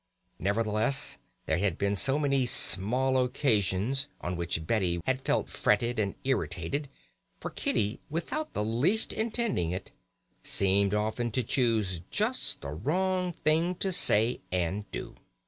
Nevertheless there had been many small occasions on which Betty had felt fretted and irritated; for Kitty, without the least intending it, seemed often to choose just the wrong thing to say and do.